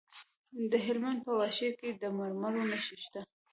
د هلمند په واشیر کې د مرمرو نښې شته.